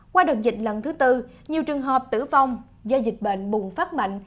qua đợt dịch lần thứ tư nhiều trường hợp tử vong do dịch bệnh bùng phát mạnh